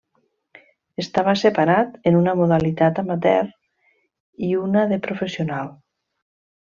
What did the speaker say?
Estava separat en una modalitat amateur i una de professional.